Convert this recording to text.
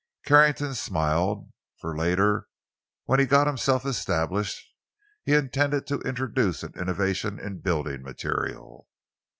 Carrington smiled, for later, when he had got himself established, he intended to introduce an innovation in building material.